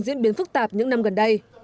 diễn biến phức tạp những năm gần đây